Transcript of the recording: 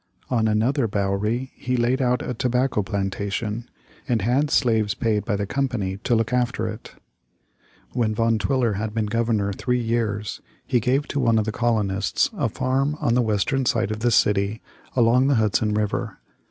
On another bouwerie he laid out a tobacco plantation, and had slaves paid by the Company to look after it. [Illustration: Van Twiller's Defiance.] When Van Twiller had been Governor three years, he gave to one of the colonists a farm on the western side of the city along the Hudson River.